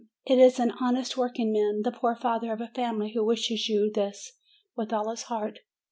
It is an honest workingman, the poor father of a family, who wishes you this with all his heart."